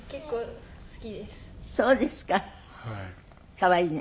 可愛いね。